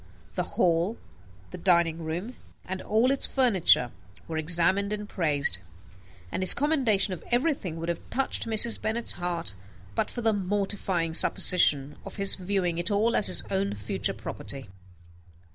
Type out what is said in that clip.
The hall, the dining room, and all its furniture, were examined and praised; and his commendation of everything would have touched Mrs. Bennet's heart, but for the mortifying supposition of his viewing it all as his own future property.